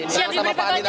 siap diberi pakotnya